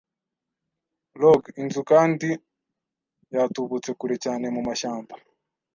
log- inzu kandi yatubutse kure cyane mumashyamba.